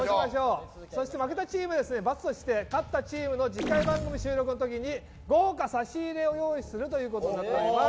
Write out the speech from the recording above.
負けたチームには罰として勝ったチームの次回番組収録の時に豪華差し入れを用意するということになっております。